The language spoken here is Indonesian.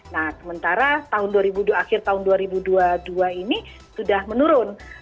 nah sementara akhir tahun dua ribu dua puluh dua ini sudah menurun